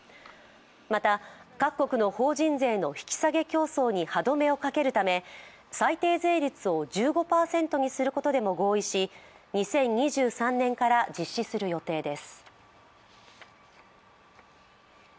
また各国の法人税の引き下げ競争に歯止めをかけるため最低税率を１５％にすることでも合意し２０２３年から実施する予定です。